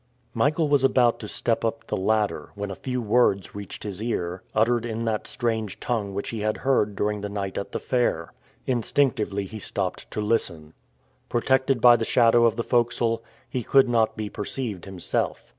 Michael was about to step up the ladder, when a few words reached his ear, uttered in that strange tongue which he had heard during the night at the fair. Instinctively he stopped to listen. Protected by the shadow of the forecastle, he could not be perceived himself.